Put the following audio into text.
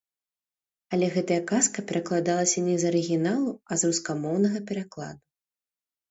Але гэтая казка перакладалася не з арыгіналу, а з рускамоўнага перакладу.